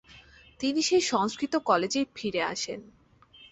তিনি সেই সংস্কৃত কলেজেই ফিরে আসেন।